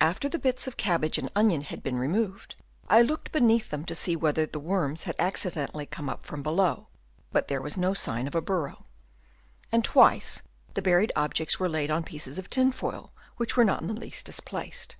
After the bits of cabbage and onion had been removed, I looked beneath them to see whether the worms had acci dentally come up from below, but there was 32 HABITS OF WOEMS. Chap. I. no sign of a burrow; and twice the buried objects were laid on pieces of tin foil which were not in the least displaced.